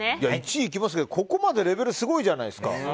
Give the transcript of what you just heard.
１位、いきますけどここまでレベルがすごいじゃないですか。